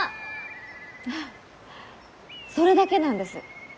フッそれだけなんです。